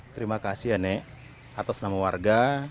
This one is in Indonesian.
terimakasih ya nenek atas nama warga